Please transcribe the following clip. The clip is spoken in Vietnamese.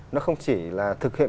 nó không chỉ là thực hiện